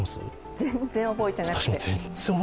全然覚えてなくて。